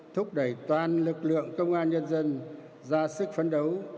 thúc đẩy toàn lực lượng công an nhân dân ra sức phấn đấu